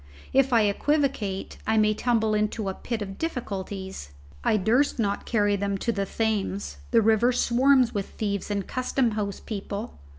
If I equivocate, I may tumble into a pit of difficulties. I durst not carry them to the Thames, the river swarms with thieves and Custom House people.